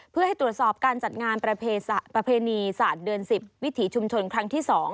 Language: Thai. เพื่อให้ตรวจสอบการจัดงานประเพณีศาสตร์เดือน๑๐วิถีชุมชนครั้งที่๒